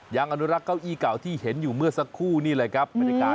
อนุรักษ์เก้าอี้เก่าที่เห็นอยู่เมื่อสักครู่นี่แหละครับบรรยากาศ